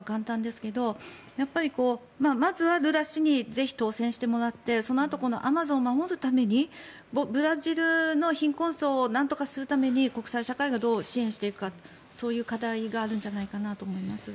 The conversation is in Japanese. だから、アマゾンを守らなきゃいけないって外から言うのは簡単ですがやっぱりまずはルラ氏にぜひ、当選してもらってそのあとアマゾンを守るためにブラジルの貧困層をなんとかするために国際社会がどう支援していくかそういう課題があるんじゃないかなと思います。